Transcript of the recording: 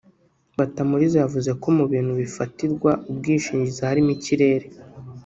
Batamuriza yavuze ko mu bintu bifatirwa ubwishingizi harimo ikirere